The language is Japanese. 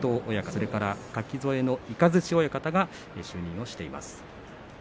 それから、垣添の雷親方が就任をしています。